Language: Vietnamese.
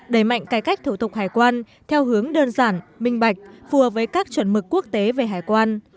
đẩy mạnh cải cách thủ tục hải quan theo hướng đơn giản minh bạch phù hợp với các chuẩn mực quốc tế về hải quan